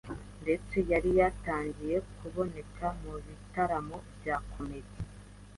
ndetse yari yaratangiye kuboneka mu bitaramo bya 'comédie'